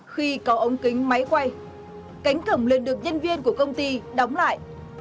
khi có ống kính máy quay cánh cổng liền được nhân viên của công ty đóng lại